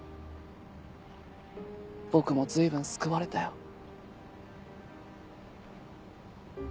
僕も随分救われたよ。